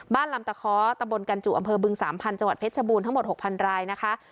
บ้านลำตะค้อตะบลกันจุอำเภอบึง๓๐๐๐จังหวัดเพชรบูนทั้งหมด๖๐๐๐รายนะคะ